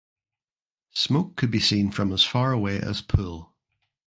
Smoke could be seen from as far away as Poole.